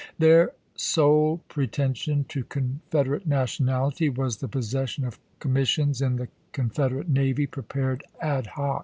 Their sole preten sion to Confederate nationality was the possession of commissions in the Confederate navy prepared ad hoc.